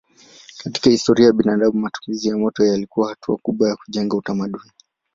Katika historia ya binadamu matumizi ya moto yalikuwa hatua kubwa ya kujenga utamaduni.